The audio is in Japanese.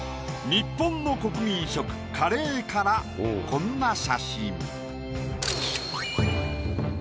日本の国民食カレーからこんな写真。